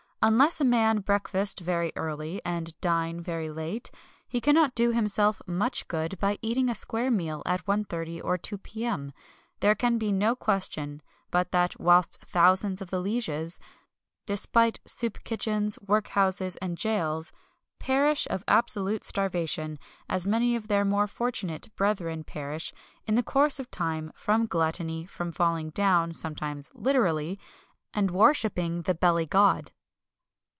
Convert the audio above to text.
Unless a man breakfast very early, and dine very late, he cannot do himself much good by eating a square meal at 1.30 or 2.0 P.M. There can be no question but that whilst thousands of the lieges despite soup kitchens, workhouses, and gaols perish of absolute starvation, as many of their more fortunate brethren perish, in the course of time, from gluttony, from falling down (sometimes literally) and worshipping the Belly god.